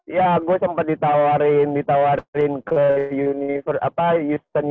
ya gue sempet ditawarin ke university